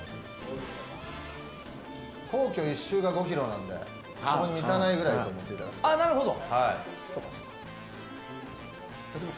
皇居１周が５ｋｍなのでそれに満たないくらいだと思っていただければ。